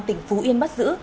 tỉnh phú yên bắt giữ